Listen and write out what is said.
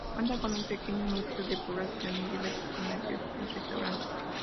Cuenta con un pequeño núcleo de población y diversos comercios y restaurantes.